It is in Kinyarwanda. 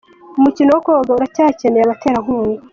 Umukino wo koga uracyakeneye abaterankunga